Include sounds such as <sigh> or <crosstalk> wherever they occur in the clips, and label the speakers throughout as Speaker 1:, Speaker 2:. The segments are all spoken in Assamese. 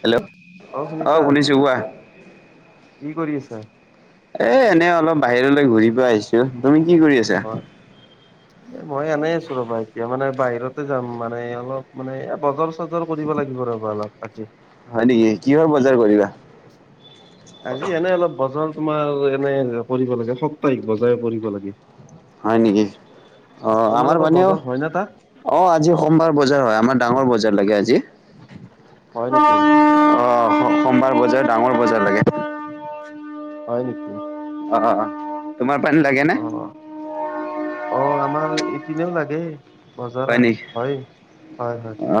Speaker 1: হেল্ল' অ, ' শুনিছোঁ কোৱা।
Speaker 2: কি কৰি আছা।
Speaker 1: এ, এনে অলপ বাহিৰলৈ ঘূৰি পেলাই আহিছো, তুমি কি কৰি আছা।
Speaker 2: অ এ, মই আনে আছো ৰবা এতিয়া মানে বাহিৰতে যাম মানে অলপ মানে এ বজাৰ চ কৰিব লাগিব ৰবা অলপ আজি
Speaker 1: হয়, নেকি কিহৰ বজাৰ কৰিবা।
Speaker 2: আজি এনে অলপ বজল তোমাৰ এনে কৰিব লাগে সপ্তাহিক বজাই কৰিব লাগে।
Speaker 1: হয়, নেকি অ, ' আমাৰ
Speaker 2: তোমালোকৰ
Speaker 1: মানেও
Speaker 2: বজাৰ হয় নে তাত
Speaker 1: অ, 'আজি সোমবাৰ বজাৰ হয়, আমাৰ ডাঙৰ বজাৰ লাগে, আজি
Speaker 2: হয় নেকি।
Speaker 1: অ, 'সোমবাৰ বজাৰ ডাঙৰ বজাৰ লাগে।
Speaker 2: হয় নেকি।
Speaker 1: <unintelligible> লাগে নে
Speaker 2: অ, অ, আমাৰ ইপিনেও লাগে। বজাৰ
Speaker 1: হয় নেকি
Speaker 2: হয়, হয়, হয়।
Speaker 1: অ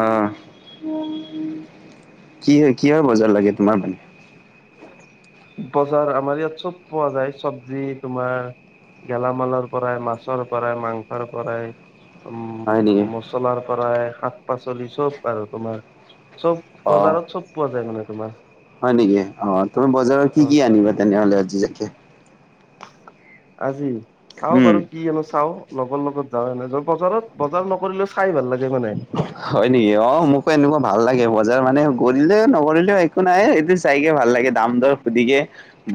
Speaker 1: কি হয় কিহৰ বজাৰ লাগে, তোমাৰ মানে
Speaker 2: বজাৰ আমাৰ ইয়াত চব পোৱা যায়, চব্জি তোমাৰ গেলামালৰ পৰাই মাছৰ পৰাই মাংসৰ পৰাই।
Speaker 1: হয়
Speaker 2: উম,
Speaker 1: নেকি
Speaker 2: মচলাৰ পৰাই শাক পাচলি চব আৰু তোমাৰ। চব
Speaker 1: অ
Speaker 2: বজাৰত চব পোৱা যায় মানে তোমাৰ,
Speaker 1: হয়, নেকি অ, ' তুমি বজাৰৰ কি কি
Speaker 2: অ
Speaker 1: আনিবা তেনেহলে আজি
Speaker 2: আজি চাও
Speaker 1: উম
Speaker 2: বাৰু কি আনো চাও। লগৰ লগত যাওঁ এনে বজাৰত বজাৰ নকৰিলেও চাই ভাল লাগে। মানে
Speaker 1: হয়, নেকি অ, ' মোকো এনেকুৱা ভাল লাগে বজাৰ মানে কৰিলেও নকৰিলেও একো নাই এইটো চাইকে ভাল লাগে, দাম দৰ সুধিকে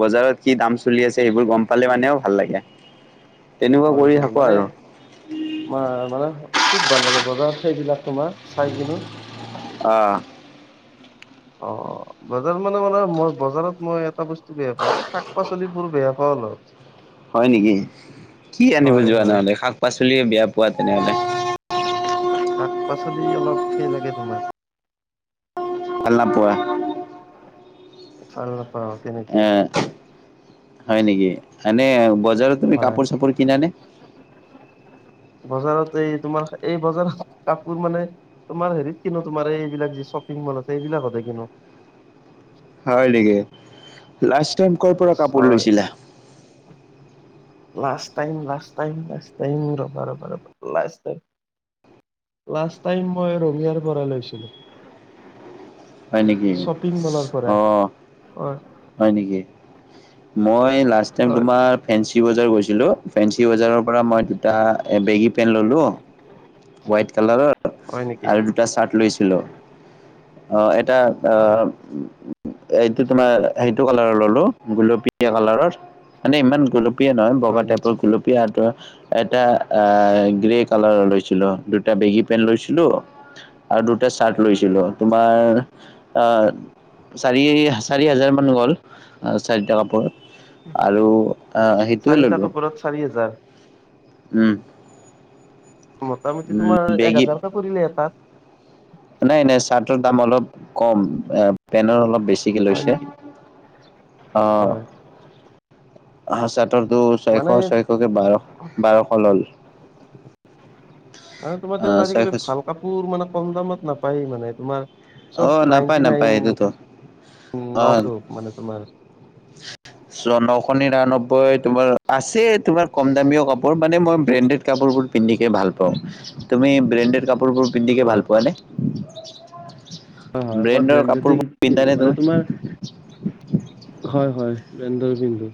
Speaker 1: বজাৰত কি দাম চলি <unintelligible> সেইবোৰ গম পালে মানেও ভাল লাগে। তেনেকুৱা
Speaker 2: হয়,
Speaker 1: কৰি
Speaker 2: হয়
Speaker 1: থাকো
Speaker 2: মানে
Speaker 1: আৰু
Speaker 2: মা মানে খুব ভাল লাগে বজাৰত চাই এইবিলাক তোমাৰ চাই কিনে।
Speaker 1: অ
Speaker 2: অ, ' বজাৰ মানে, মানে মই বজাৰত মই এটা বস্তু বেয়া পাওঁ এই শাক পাচলিব বোৰ বেয়া পাওঁ। ন <unintelligible>
Speaker 1: হয়, নেকি কি আনিব
Speaker 2: হয়
Speaker 1: যোৱা
Speaker 2: হয়
Speaker 1: নহলে শাক পাচলি <unintelligible> বেয়া পোৱা তেনেহলে।
Speaker 2: শাক পাচলি অলপ সেই লাগে তোমাৰ
Speaker 1: <unintelligible>
Speaker 2: <unintelligible>
Speaker 1: এ, হয়, নেকি এনে--এনে ই বজাৰত তুমি
Speaker 2: হয়
Speaker 1: কাপোৰ চাপোৰ কিনানে?
Speaker 2: বজাৰত এই তোমাৰ এই বজাৰত কাপোৰ মানে তোমাৰ হেৰিত কিনো, তোমাৰ এইবিলাক যি চ শ্বপিংমলতেই কিনা গোটেইখিনি
Speaker 1: হয়, নেকি লাষ্ট টাইম কৰ পৰা কাপোৰ
Speaker 2: হয়
Speaker 1: লৈছিলা।
Speaker 2: Last time, last time, last time, um, ৰবা, ৰবা, লাষ্ট টাইম লাষ্ট টাইম মই ৰঙিয়াৰ পৰাই লৈছিলো।
Speaker 1: হয় নেকি
Speaker 2: শ্বপিং মলৰ
Speaker 1: অ,
Speaker 2: পৰাই
Speaker 1: '
Speaker 2: হয়
Speaker 1: হয়, নেকি মই লাষ্ট টাইম
Speaker 2: হয়
Speaker 1: তোমাৰ ফেঞ্চিবজাৰ গৈছো। কিন্ত ফেঞ্চি বজাৰৰ পৰা মই দুটা বেগী পেন্ট ললো হোৱাইট কালাৰত।
Speaker 2: হয় নেকি
Speaker 1: আৰু দুটা চাৰ্ট লৈছিলো অ, 'এটা অ,
Speaker 2: হয়
Speaker 1: ' এইটো তোমাৰ সেইটো কালাৰৰ ললো, গুলপীয়া কালাৰৰ মানে ইমান গুলপীয়া নহয় বগা
Speaker 2: হয় নেকি
Speaker 1: টাইপৰ গুলপীয়াাতৰ এটা আ গ্ৰে কালাৰ লৈছে। দুটা বেগী পেণ্ট লৈছিলোঁ আৰু দুটা চাৰ্ট লৈছিলোঁ তোমাৰ চাৰি- চাৰি হাজাৰ মান গ'ল চাৰিটা কাপোৰত। আৰু আহ সেইটোয়ে
Speaker 2: চাৰিটা
Speaker 1: ললো
Speaker 2: কাপোৰত চাৰি হাজাৰ
Speaker 1: উম।
Speaker 2: মোটামুটি
Speaker 1: উম,
Speaker 2: তোমাৰ এক
Speaker 1: বেগী
Speaker 2: হাজাৰকে পৰিলে এটাত
Speaker 1: নাই নাই চাৰ্টৰ দাম অলপ কম পেনৰ অলপ বেছিকে
Speaker 2: হয়
Speaker 1: লৈছে
Speaker 2: নেকি
Speaker 1: অ'
Speaker 2: হয়
Speaker 1: ছয়শ
Speaker 2: মানে
Speaker 1: ছয়শকে বাৰ বাৰশ লল
Speaker 2: মানে তোমাৰ দেখোন
Speaker 1: অ',
Speaker 2: আজিকালি
Speaker 1: ছয়শ
Speaker 2: ভাল কাপোৰ মানে কম দামত নাপায় মানে তোমাৰ চব
Speaker 1: অ', নাপায়
Speaker 2: নাইনটি
Speaker 1: নাপায়
Speaker 2: নাইন
Speaker 1: এইটোতো অ'।
Speaker 2: নশ মানে তোমাৰ
Speaker 1: নশ নিৰানব্বৈ তোমাৰ আছেই তোমাৰ কম দামীও কাপোৰ মানে মই ব্ৰেণ্ডেত কাপোৰ কাপোৰবোৰ পিন্ধিকে ভাল পাও তুমি ব্ৰেণ্ডেত কাপোৰবোৰ পিন্ধিকে
Speaker 2: হয়
Speaker 1: ভাল
Speaker 2: হয়
Speaker 1: পোৱানে।
Speaker 2: হয় - হয় মই ব্ৰেণ্ডেতে পিন্ধো মানে
Speaker 1: তুমি?
Speaker 2: তোমাৰ হয় - হয়। ব্ৰেণ্ডৰ পিন্ধো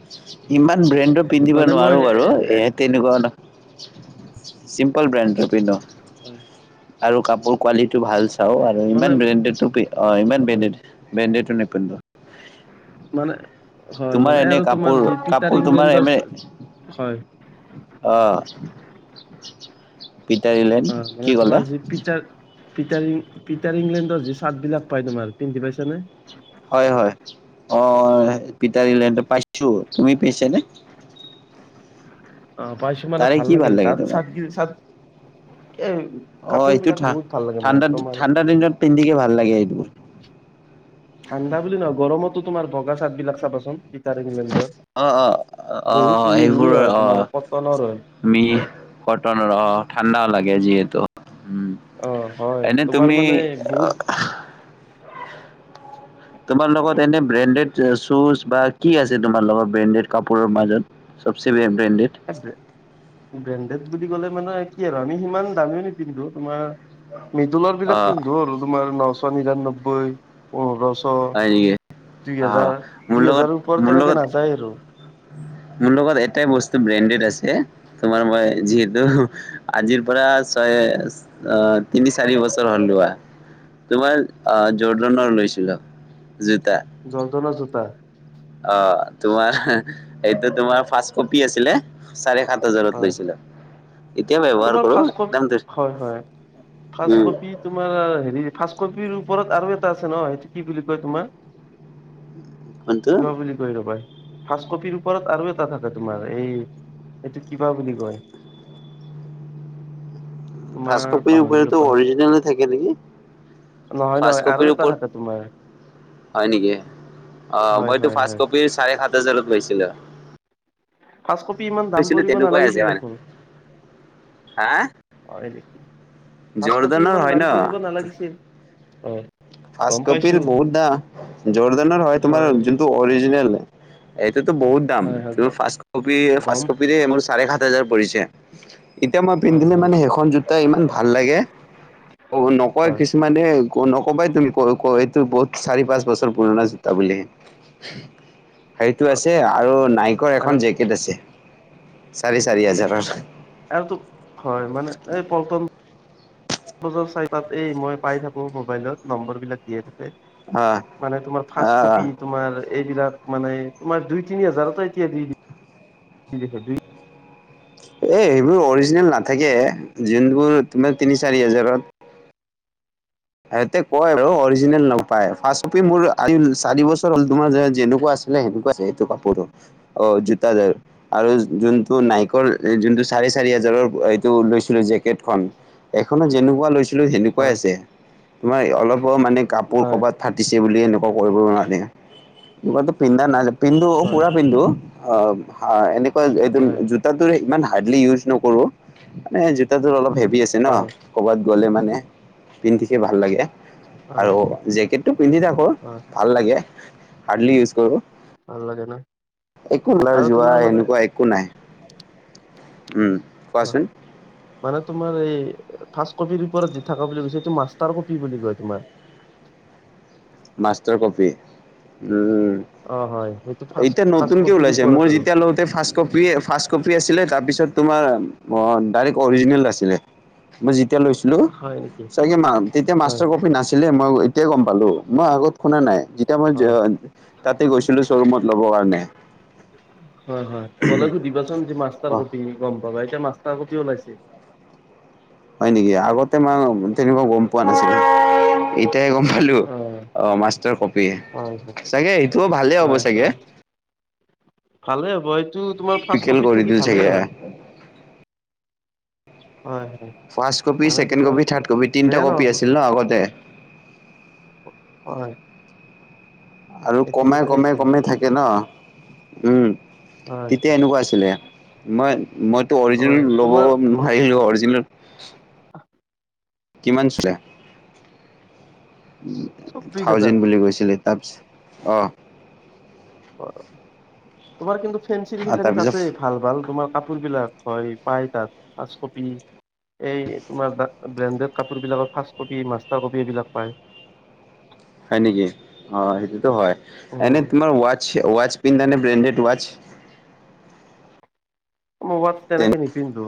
Speaker 1: ইমান ব্ৰেণ্ডৰ পিন্ধিব
Speaker 2: মানে মই
Speaker 1: নোৱাৰো বাৰু
Speaker 2: হয়
Speaker 1: এই তেনেকুৱা চিম্পল ব্ৰেণ্ডৰ পিন্ধো। আৰু কাপোৰ কোৱালিটি ভাল চাও আৰু
Speaker 2: মানে
Speaker 1: ইমান ব্ৰেণ্ডেডো ইমান
Speaker 2: হয়
Speaker 1: ব্ৰেণ্ডেত - ব্ৰেণ্ডেত <unintelligible>
Speaker 2: মানে হয়
Speaker 1: তোমাৰ
Speaker 2: মানে
Speaker 1: এনে
Speaker 2: আৰু
Speaker 1: কাপোৰ
Speaker 2: তোমাৰ যি
Speaker 1: কাপোৰ
Speaker 2: পিটাৰ
Speaker 1: তোমাৰ
Speaker 2: ইংলেণ্ডৰ
Speaker 1: এনে
Speaker 2: হয়
Speaker 1: অ' পিটাৰ ইলেণ্ড
Speaker 2: অ' মানে
Speaker 1: কি ক'লা
Speaker 2: তোমাৰ যি পিটাৰ পিটাৰ পিটাৰ ইংলেণ্ডৰ যি চাৰ্ট বিলাক পাই তোমাৰ পিন্ধি পাইছা নে।
Speaker 1: হয় হয় অ' পিটাৰ ইংলেণ্ডৰ পাইছো তুমি পাইছ নে
Speaker 2: <inaudible> অ' পাইছো মানে
Speaker 1: তাৰে
Speaker 2: ভাল
Speaker 1: কি
Speaker 2: লাগে তাত
Speaker 1: তোমাক
Speaker 2: চাট
Speaker 1: অ, এইটো
Speaker 2: বিলাক
Speaker 1: ঠা-
Speaker 2: বহুত ভাল লাগে মানে
Speaker 1: ঠাণ্ডা
Speaker 2: তোমাৰ
Speaker 1: - ঠাণ্ডা দিনত পিন্ধিকে ভাল লাগে এইটো।
Speaker 2: ঠাণ্ডা বুলি নহয় গৰমতো তোমাৰ বগা চাৰ্টবিলাক চাবাচোন পিটাৰ ইংলেণ্ডৰ
Speaker 1: অ' অ'
Speaker 2: বহুত
Speaker 1: অ'
Speaker 2: মিহি
Speaker 1: এইবোৰ
Speaker 2: হয় তোমাৰ
Speaker 1: অ'
Speaker 2: কটনৰ হয়
Speaker 1: নি কটনৰ অ, ঠাণ্ডাও লাগে যিহেতু উম
Speaker 2: অ হয়
Speaker 1: এনে
Speaker 2: তোমাৰ
Speaker 1: তুমি
Speaker 2: মানে বহুত <inaudible>
Speaker 1: চুজ বা কি আছে তোমাৰ লগত ব্ৰেণ্ডেত কাপোৰৰ মাজত চবচে ব্ৰেণ্ডেড?
Speaker 2: ব্ৰেণ্ডেড বুলি ক'লে মানে কি আৰু আমি সিমান দামীও নিপিন্ধো তোমাৰ মৃদুলৰ বিলাক
Speaker 1: অ'
Speaker 2: পিন্ধো আৰু তোমাৰ নশ নিৰান্নব্বৈ পোন্ধৰশ অ'
Speaker 1: হয় নেকি?
Speaker 2: দুই
Speaker 1: অ'
Speaker 2: হেজাৰ
Speaker 1: মোৰ
Speaker 2: দুই
Speaker 1: লগত
Speaker 2: হেজাৰৰ ওপৰত
Speaker 1: মোৰ
Speaker 2: তেনেকে
Speaker 1: লগত
Speaker 2: নাযায় আৰু
Speaker 1: মোৰ লগত এটাই বস্তু ব্ৰেণ্ডেত আ তোমাৰ মই যিহেতু আজিৰ পৰা ছয় অ' তিনি চাৰি তিনি বছৰ হল লোৱা তোমাৰ অহ জৰ্ডনাৰ লৈছিলো।
Speaker 2: জৰ্ডনৰ জোতা।
Speaker 1: অ তোমাৰ এইটো তোমাৰ ফাষ্ট কপি আছিলে চাৰে সাত। হাজাৰত
Speaker 2: হয়
Speaker 1: লৈছিলো এতিয়া
Speaker 2: আৰু
Speaker 1: ব্যৱহাৰ কৰোঁ একদম।
Speaker 2: ফাষ্ট
Speaker 1: উম,
Speaker 2: কপি তোমাৰ হেৰি ফাষ্ট কপিৰ। ওপৰত আৰু এটা আছে ন সেইটো কি বুলি কয় তোমাৰ
Speaker 1: কোনটো
Speaker 2: কি বা বুলি কৈ ৰবা। ফাৰ্ষ্ট কপিৰ ওপৰত আৰু এটা থাকে তোমাৰ এই। এইটো কিবা বুলি কয়। <unintelligible>
Speaker 1: ফাঁৰ্ষ্ট কপিৰ
Speaker 2: পাহৰিলো
Speaker 1: উপৰতো
Speaker 2: পাহ
Speaker 1: অৰিজিনেলে থাকে নেকি।
Speaker 2: নহয়
Speaker 1: ফাৰ্ষ্ট
Speaker 2: নহয়
Speaker 1: কপিৰ
Speaker 2: আৰু এটা
Speaker 1: ওপৰত
Speaker 2: থাকে তোমাৰ।
Speaker 1: হয় নেকি অ
Speaker 2: হয়
Speaker 1: মইটো
Speaker 2: হয় হয়
Speaker 1: ফাৰ্ষ্ট কপিৰ চাৰে সাত হাজাৰত লৈছিলো।
Speaker 2: ফাৰ্ষ্টকপি ইমান দাম
Speaker 1: লৈছিলো
Speaker 2: পৰিব
Speaker 1: তেনেকুৱাই আছে
Speaker 2: নালাগিছিল
Speaker 1: মানে।
Speaker 2: দেখোন।
Speaker 1: হা।
Speaker 2: হয় নেকি ফাৰ্ষ্ট কপি
Speaker 1: জৰ্দানৰ
Speaker 2: ইমান
Speaker 1: হয় ন?
Speaker 2: দাম পৰি নালাগিছিল অ।
Speaker 1: ফাৰ্ষ্ট কপিৰ বহুত দাম জৰ্ডানৰ হয় তোমাৰ যোনটো অৰিজিনেল। এইটো বহত দাম,
Speaker 2: হয় হয়
Speaker 1: টো
Speaker 2: গ
Speaker 1: ফাৰ্ষ্ট কপিএ- ফাৰ্ষ্ট
Speaker 2: গম
Speaker 1: কপিৰে মোৰ চাৰে সাত হাজাৰ পৰিছে। তিয়া, এতিয়া মই
Speaker 2: হয়
Speaker 1: পিন্ধিলে
Speaker 2: হয়
Speaker 1: মানে এইখন জোতা ইমান ভাল লাগে। অ, নকয়
Speaker 2: হয়
Speaker 1: কিছুমানে অ নকবাই তুমি কই-কই এইটো বহুত চাৰি-পাঁচ বছৰ পুৰণা জোতা বুলি। সেইটো
Speaker 2: হয়
Speaker 1: আছে আৰু নাইকৰ এখন
Speaker 2: আৰু
Speaker 1: জেকেট আছে, চাৰে চাৰি হাজাৰৰ।
Speaker 2: আৰুটো- হয় মানে এই পল্টন <unintelligible> চাৰি তাত এই মই পাই থাকো মোবাইলত নম্বৰ বিলাক দিয়াই থাকে। এ,
Speaker 1: অ
Speaker 2: মানে তোমাৰ ফাৰ্ষ্ট
Speaker 1: অ
Speaker 2: কপি তোমাৰ এইবিলাক মানে তোমাৰ দুই-তিনি হাজাৰতে এতিয়া দি - দি, দি দিছে দুই
Speaker 1: এই সেইবোৰ অৰিজিনেল নাথাকে, যোনবোৰ তোমাৰ তিনি-চাৰি হাজাৰত হেইতে কয় আৰু অৰিজিনেল নাপাই, ফাৰ্ষ্ট কপি মোৰ আই চাৰি বছৰ হ'ল, তোমাৰ যে-যেনেকুৱা আছ চিলে এনেকুৱা আছে এইটো কাপোৰটো। অ, জোতাৰ আৰু য-যোনটো নাইকৰ যোনটো চাৰ্ট চাৰে চাৰি হাজাৰৰ এইটো লৈছিলো জেকেটখন, এখনত যেনেকুৱা লৈছিলো সেনেকুৱাই
Speaker 2: হয়
Speaker 1: আছে। তোমাৰ অলপো মানে কাপোৰ
Speaker 2: হয়
Speaker 1: কবাত ফাটিছে বুলি ই এনেকুৱা কৰিব নোৱাৰে। বা পিন্ধা না পিন্ধো,
Speaker 2: হয়
Speaker 1: পুৰা পিন্ধো হ-হ এনেকুৱা এইদম
Speaker 2: হয়
Speaker 1: জোতা তোৰে ইমান হা হাৰ্ডলি ইউজ নকৰোঁ, মানে জোতাটো অলপ হেভি আছে ন?
Speaker 2: হয়
Speaker 1: ক'বাত গ'লে মানে পিন্ধিকে ভাল লাগে
Speaker 2: হয়
Speaker 1: আৰু জেকেটটো পিন্ধি থাকো
Speaker 2: হয়
Speaker 1: ভাল লাগে। হাৰ্ডলি ইউজ কৰো।
Speaker 2: ভাল লাগে ন?
Speaker 1: এক কোলাৰ
Speaker 2: আৰু
Speaker 1: যোৱা
Speaker 2: তোমাৰ মানে
Speaker 1: এনেকুৱা একো নাই। উম
Speaker 2: অ,
Speaker 1: কোৱাচোন
Speaker 2: মানে তোমাৰ এই ফাৰ্ষ্ট কপিৰ ওপৰত যি থাকা বুলি কৈছা সিটো মাষ্টাৰ কপি বুলি কয় তোমাৰ।
Speaker 1: Master copy. উম
Speaker 2: অ, হয়। সেইটো ফাৰ্ষ্ট
Speaker 1: এতিয়া
Speaker 2: ফাৰ্ষ্ট
Speaker 1: নতুনকে
Speaker 2: কপিৰ
Speaker 1: ওলাইছে।
Speaker 2: ওপৰত
Speaker 1: মই
Speaker 2: আৰু
Speaker 1: যেতিয়া লওঁতে ফাৰ্ষ্ট কপিয়ে-ফাৰ্ষ্ট কপি আছিলে। তাৰপিছত তোমাৰ অ, ডাইৰেক্ট অৰিজিনেল আছিলে, মই যি তেতিয়া লৈছিলো,
Speaker 2: হয় নেকি
Speaker 1: চাগে মা তেতিয়া
Speaker 2: হয়
Speaker 1: মাষ্টাৰ কপি নাছিলে, মই এতিয়াই গম পালো। মই আগত শুনা নাই, যেতিয়া মই
Speaker 2: হয়
Speaker 1: যে-আ তাতে গৈছিলো শ্ব'ৰুমত, ল'বৰ কাৰণে।
Speaker 2: হয়-হয় গ'লে সুধিবাচোন যি মাষ্টাৰ
Speaker 1: অ
Speaker 2: কপি গম পাবা এতিয়া মাষ্টাৰ ক পিয় ওলাইছে।
Speaker 1: হয় নেকি? আগতে মাও তেনেকুৱা গম পোৱা নাছিলো। এ তে গম পালো।
Speaker 2: অ
Speaker 1: অ মাষ্টাৰ কপি।
Speaker 2: হয় হয়
Speaker 1: চাগে এইটোও ভালেই হ'ব
Speaker 2: হয়
Speaker 1: চাগে।
Speaker 2: হয় ভালে হ'ব। এইটো তোমাৰ ফাৰ্ষ্ট
Speaker 1: পিকেল
Speaker 2: কপিত
Speaker 1: কৰি
Speaker 2: থাকি
Speaker 1: দিল
Speaker 2: ভালে
Speaker 1: চাগে
Speaker 2: হয়। হয় হয়
Speaker 1: ফাৰ্ষ্ট কপি,
Speaker 2: মানে
Speaker 1: ছেকেণ্ড
Speaker 2: তোমাৰ
Speaker 1: কপি, থাৰ্ড কপি তিনিটা
Speaker 2: বেয়া নহ'ব
Speaker 1: কপি আছিল ন আগতে?
Speaker 2: হয়।
Speaker 1: আৰু
Speaker 2: এই
Speaker 1: কমাই
Speaker 2: তিনিটাই
Speaker 1: কমে
Speaker 2: আছিল
Speaker 1: কমে থাকে ন? উম।
Speaker 2: হয়
Speaker 1: তেতিয়া এনেকুৱা আছিলে। মই-মইতো অৰিজিনেল
Speaker 2: হয়
Speaker 1: ল'ব
Speaker 2: তোমাৰ
Speaker 1: নোৱাৰিলো, অৰিজিনেল কিমান চলে?
Speaker 2: চৌবিশ হাজাৰ
Speaker 1: থাউজেণ্ড বুলি কৈছিলে। তাপছ অ।
Speaker 2: অ, তোমাৰ কিন্তু ফেঞ্চীৰ সেইখিনিত
Speaker 1: তাৰপিছত
Speaker 2: আছেই, ভাল ভাল তোমাৰ কাপোৰবিলাক হয়। পায় তাত ফাৰ্ষ্ট কপি। এই তোমাৰ বে-ব্ৰেণ্ডেড কাপোৰ বিলাকত ফাৰ্ষ্ট কপি, মাষ্টাৰ কপি এইবিলাক পায়। <inaudible>
Speaker 1: হয় নেকি? অ, সেইটোতো হয়। এনে
Speaker 2: উম
Speaker 1: তোমাৰ ৱাটছ থে ৱাটছ পিন্ধা নে ব্ৰেণ্ডেড ৱাটছ?
Speaker 2: মই ৱাটছ তেনেকে নিপিন্ধো,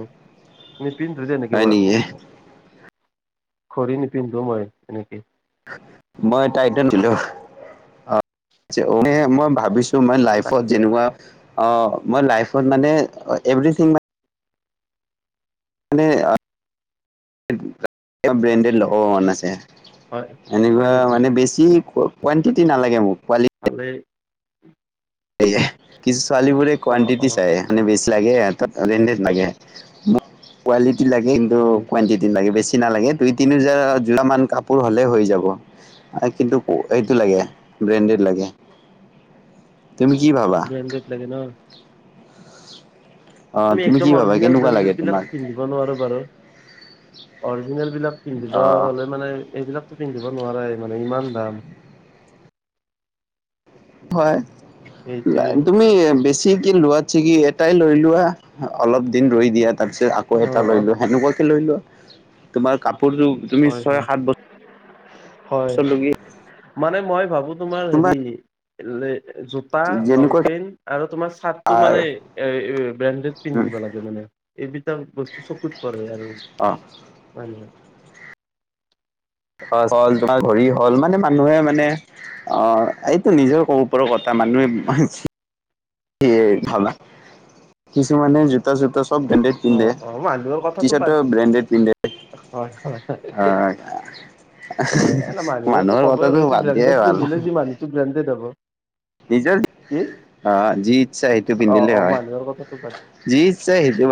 Speaker 2: নিপিন্ধো তেনেকে
Speaker 1: হয়
Speaker 2: ৱাটছ।
Speaker 1: নেকি
Speaker 2: ঘড়ী নিপিন্ধো মই তেনেকে।
Speaker 1: মই টাইটেন ঠিলহ, অ অনে মই ভাবিছো, মাই লাইফত যেনেকুৱা, অ', মই লাইফত মানে এভ্ৰিথিং মা মানে অ', ব্ৰেণ্ডড লগাৱ মন আছে।
Speaker 2: হয় হয়
Speaker 1: এনেকুৱা
Speaker 2: নেকি
Speaker 1: মানে, বেছি কোৱানটিটি নালাগে মোক।
Speaker 2: ভালেই।
Speaker 1: সেৱাই কিছ ছোৱালীবোৰে
Speaker 2: অ অ
Speaker 1: কোৱানটিটি চাই। মানে বেছি লাগে, ইয়তক বেনদেদ লাগে। মোক কোৱালিটি লাগে, কিন্তু
Speaker 2: হয় নেকি
Speaker 1: কোৱানটিটি লাগে। বেছি নালাগে। দুই তিনি হেজাৰ যোৰামান কাপোৰ হ'লেই হৈ যাব। এ', কিন্তু অ-এইটো লাগে। ব্ৰেণ্ডেড লাগে।
Speaker 2: <inaudible>
Speaker 1: তুমি কি ভাবা?
Speaker 2: ব্ৰেণ্ডেড লাগে ন
Speaker 1: অ'
Speaker 2: আমি
Speaker 1: তুমি কি
Speaker 2: একদম
Speaker 1: ভাবা
Speaker 2: অৰজিনেল
Speaker 1: কেনেকুৱা
Speaker 2: ব্ৰেণ্ডেড
Speaker 1: লাগে তোমাক?
Speaker 2: বিলাকো পিন্ধিব নোৱাৰো বাৰু। অৰজিনেল বিলাক পিন্ধিব
Speaker 1: অ'
Speaker 2: হ'লে মানে এইবিলাক পিন্ধিব নোৱাৰে মানে ইমান দাম।
Speaker 1: হয়,
Speaker 2: সেইটোৱে
Speaker 1: <unintelligible>
Speaker 2: আৰু
Speaker 1: তুমি এ' বেছি যি কি লোৱাাত ছিকি, এটাই লৈ লোৱা। অলপ দিন ৰৈ দিয়া। তাৰপিছত আকৌ এটা
Speaker 2: অ',
Speaker 1: লৈ
Speaker 2: অ',
Speaker 1: লোৱা। সেনেকুৱাকে লৈ লোৱা। তোমাৰ কাপোৰযোৰ তুমি
Speaker 2: হয়,
Speaker 1: ছয়
Speaker 2: হয়,
Speaker 1: সাত বছৰ
Speaker 2: হয়, মানে মই ভাবো তোমাৰ হেৰি, লে জোতা, লং
Speaker 1: যেনেকুৱা
Speaker 2: পেণ্ট আৰু তোমাৰ
Speaker 1: আ
Speaker 2: চাৰ্টটো মানে এ' ব্ৰেণ্ডেড পিন্ধিব লাগে মানে। এইকিটা, বস্তু চকুত পৰে আৰু।
Speaker 1: অ'
Speaker 2: আৰু।
Speaker 1: হ'ল, তোমাৰ ঘড়ি হ'ল, মানে মানুহে মানে, অ', এইটো নিজৰ ক'ব পাৰোঁ। কথা মানুহে অহেছ। সেয়ে ভাবা। কিছুমানে জোতা চোতা চব ব্ৰেণ্ডেড পিন্ধে।
Speaker 2: অ', অ', মানুহৰ
Speaker 1: টি
Speaker 2: কথাটো বাদ
Speaker 1: চাৰ্টটো ব্ৰেণ্ডেড পিন্ধে।
Speaker 2: হয়, হয়, হয়।
Speaker 1: অ
Speaker 2: অ', এ', ন মানুহেটো
Speaker 1: মানুহৰ
Speaker 2: কবই আৰু,
Speaker 1: কথাটো
Speaker 2: এইটো
Speaker 1: বাদ
Speaker 2: ব্ৰেণ্ড
Speaker 1: দিয়াই ভাল
Speaker 2: পিন্ধিলে, যি মানুহটো ব্ৰেণ্ডেড হ'ব।
Speaker 1: নিজৰ
Speaker 2: কি?
Speaker 1: অ', যি ইচ্ছা সেইটো
Speaker 2: অ',
Speaker 1: পিন্ধিলেই
Speaker 2: অ',
Speaker 1: হয়।
Speaker 2: মানুহৰ কথাটো বাদ
Speaker 1: যি ইচ্ছা সেইটো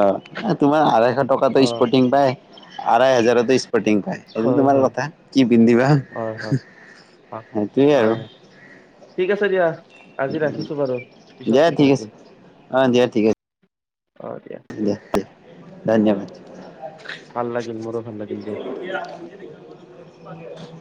Speaker 1: অ', এ', তোমাৰ আঢ়শ টকাতে
Speaker 2: অ',
Speaker 1: স্পৰ্টিং পাই, আঢাই হাজাৰতে স্পৰ্টিং পাই। এইযো
Speaker 2: হয়,
Speaker 1: তোমাৰ
Speaker 2: হয়।
Speaker 1: লতা, কি পিন্ধিবা।
Speaker 2: হয়, হয়,
Speaker 1: সেইটোৱেই আৰু।
Speaker 2: হয়, ঠিক আছে দিয়া। আজি ৰাখিছো বাৰু। পিছত
Speaker 1: দিয়া
Speaker 2: কথা
Speaker 1: ঠিক আছে
Speaker 2: পাতিম। হয়।
Speaker 1: দিয়ক দে, ধন্যবাদ।
Speaker 2: ভাল লাগিল মোৰো ভাল লাগিল দিয়া
Speaker 1: <inaudible>